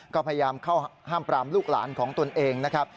ก็พยายามเข้าห้ามปรามลูกหลานของตนเองนะครับ